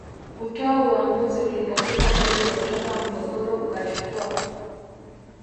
kutoa uamuzi Ulipofika mwezi Oktoba mgogoro ukachukua